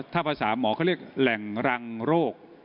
ถ้าภาษาหมอเขาเรียกแหล่งรังโรค